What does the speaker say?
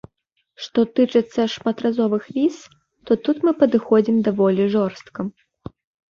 Што тычыцца шматразовых віз, то тут мы падыходзім даволі жорстка.